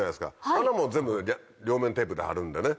あれはもう全部両面テープで貼るんでね。